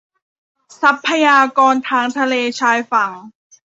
ทรัพยากรทางทะเลชายฝั่ง